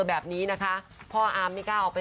แบบนี้นะคะพ่ออาร์มไม่กล้าออกไป